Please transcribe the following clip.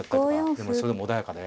でもそれでも穏やかで。